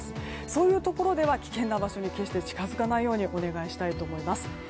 そういうところでは危険な場所に決して近づかないようにお願いします。